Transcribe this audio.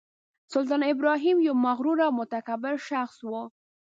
سلطان ابراهیم یو مغرور او متکبر شخص و.